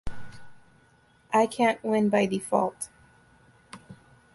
I can't win by default.